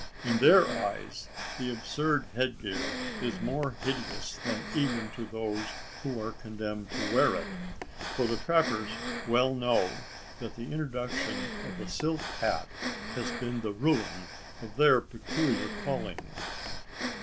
In their eyes, the absurd head gear is more hideous than even to those who are condemned to wear it for the trappers well know, that the introduction of the silk hat has been the ruin of their peculiar calling.